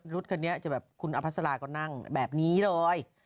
รถคันนี้จะแบบคุณอภัสราก็นั่งแบบนี้เลย